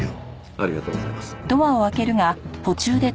ありがとうございます。